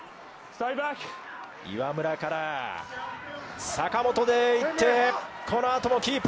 岩村から、さかもとでいって、このあともキープ。